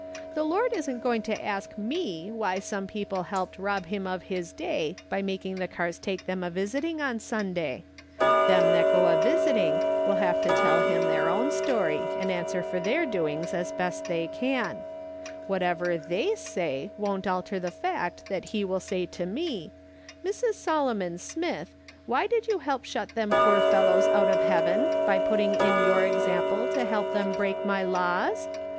The Lord isn't going to ask mc why some people helped rob him of his day by making the cars take them a visiting on Sunday ; them that go a visiting will liave to tell him their own story and answer for their doings as best they can ; whatever tlicy say won't alter the fact that he will say to me, ' Mrs. Solomon Smith, why did you help shut tliem poor fellows out of heaven, by putting in your example to help them break my laws